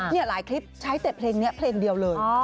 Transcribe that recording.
นี่หลายคลิปใช้แต่เพลงนี้เพลงเดียวเลย